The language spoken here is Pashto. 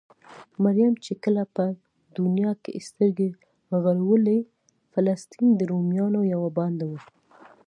مريم چې کله په دونيا کې سترګې غړولې؛ فلسطين د روميانو يوه بانډه وه.